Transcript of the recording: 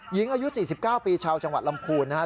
หญิงอายุ๔๙ปีชาวจังหวัดลำพูนนะครับ